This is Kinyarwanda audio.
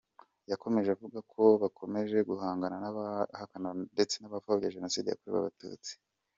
Yakomeje avuga ko bakomeje guhangana n’abahakana ndetse bakanapfobya Jenoside yakorewe Abatutsi.